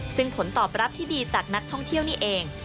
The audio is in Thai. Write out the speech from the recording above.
ซึ่งผลตอบรับที่ดีจากนักท่องเที่ยวนี่เอง